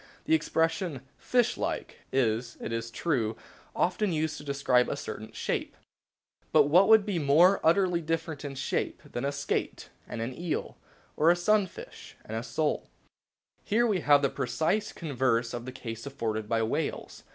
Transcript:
The expression "fish like" is, it is true, often used to describe a certain shape ; but what could be more utterly different in shape than a skate and an eel, or a sunfish and a sole? Here we have the precise converse of the case afforded by whales.